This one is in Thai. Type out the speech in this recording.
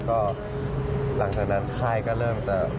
ก็หลังจากนั้นค่ายก็เริ่มจะ